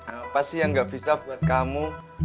apa sih yang gak bisa buat kamu